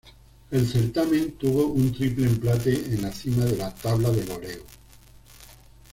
El certamen tuvo un triple empate en la cima de la tabla de goleo.